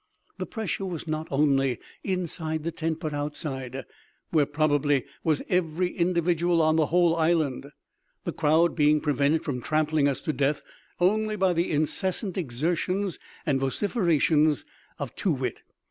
The pressure was not only inside the tent, but outside, where probably was every individual on the whole island, the crowd being prevented from trampling us to death only by the incessant exertions and vociferations of Too wit.